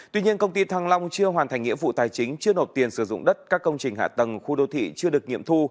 tuy nhiên công ty thăng long chưa hoàn thành nghĩa vụ tài chính chưa nộp tiền sử dụng đất các công trình hạ tầng khu đô thị chưa được nghiệm thu